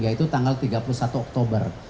yaitu tanggal tiga puluh satu oktober